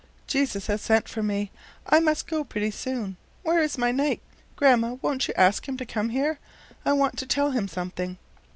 "Jesus has sent for me. I must go pretty soon. Where is my knight? Grandma, won't you ask him to come here? I want to tell him something."